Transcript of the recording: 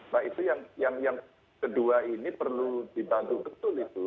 nah itu yang kedua ini perlu dibantu betul itu